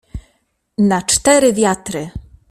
"Na cztery wiatry!"